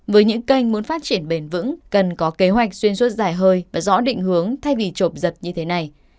với những kênh muốn phát triển bền vững cần có kế hoạch xuyên suốt dài hơi và rõ định hướng thay vì trộm giật như thế này